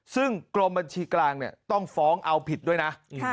ซึ่งกรมบัญชีกลางต้องฟ้องเอาผิดด้วยนะ